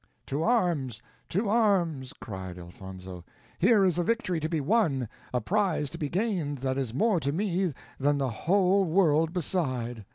"To arms, to arms!" cried Elfonzo; "here is a victory to be won, a prize to be gained that is more to me that the whole world beside."